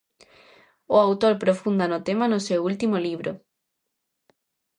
O autor profunda no tema no seu último libro.